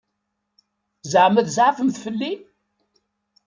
Ẓeɛma tzeɛfemt fell-i?